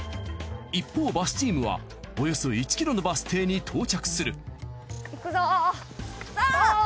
一方バスチームはおよそ１ｋｍのバス停に到着する。